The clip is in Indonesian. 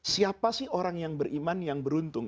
siapa sih orang yang beriman yang beruntung